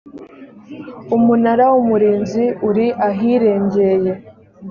umunara w umurinzi uri ahirengeye